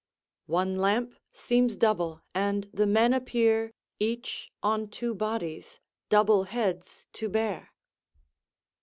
"One lamp seems double, and the men appear Each on two bodies double heads to bear."